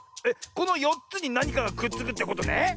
えっこの４つになにかがくっつくってことね。